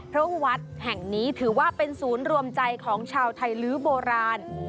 เพราะว่าวัดแห่งนี้ถือว่าเป็นศูนย์รวมใจของชาวไทยลื้อโบราณ